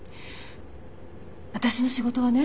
私の仕事はね